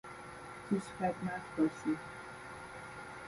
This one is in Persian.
پیش خدمت باشی